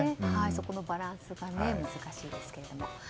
そこのバランスが難しいですね。